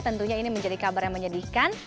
tentunya ini menjadi kabar yang menyedihkan